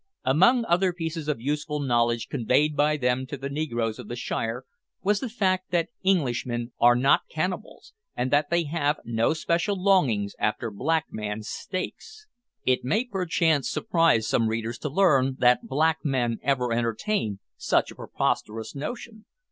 Among other pieces of useful knowledge conveyed by them to the negroes of the Shire, was the fact that Englishmen are not cannibals, and that they have no special longings after black man steaks! It may perchance surprise some readers to learn that black men ever entertain such a preposterous notion.